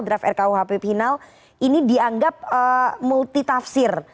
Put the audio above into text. draft rku hp final ini dianggap multi tafsir